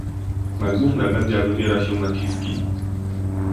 Na główne media wywiera się naciski